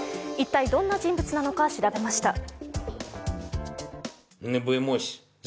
一体、どんな人物なのか調べました